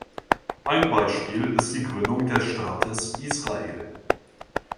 Ein Beispiel ist die Gründung des Staates Israel.